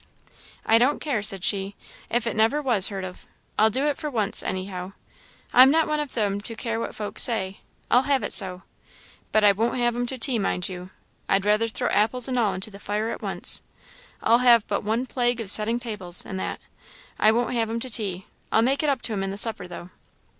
"I don't care," said she, "if it never was heard of. I'll do it for once anyhow. I'm not one of them to care what folks say. I'll have it so! But I won't have 'em to tea, mind you I'd rather throw apples and all into the fire at once. I'll have but one plague of setting tables, and that. I won't have 'em to tea. I'll make it up to 'em in the supper, though."